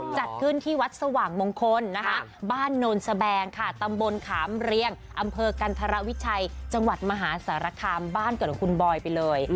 จัดขึ้นที่วัดสว่างมงคลนะคะบ้านโนนสแบงค่ะตำบลขามเรียงอำเภอกันธรวิชัยจังหวัดมหาสารคามบ้านเกิดของคุณบอยไปเลย